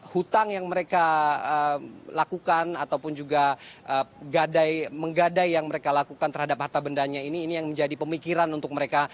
hutang yang mereka lakukan ataupun juga menggadai yang mereka lakukan terhadap harta bendanya ini ini yang menjadi pemikiran untuk mereka